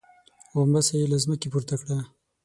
غومبسه يې له ځمکې پورته کړه.